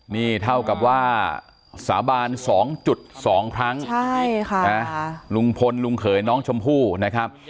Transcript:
นี่เท่ากับว่าสาบาน๒๒ครั้งลุงพลลุงเขยน้องชมพู่นะครับ